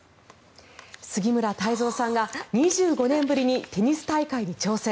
杉村太蔵さんが２５年ぶりにテニス大会に挑戦。